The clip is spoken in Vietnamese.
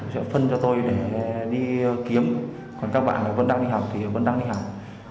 sẽ phân cho tôi để đi kiếm còn các bạn vẫn đang đi học thì vẫn đang đi học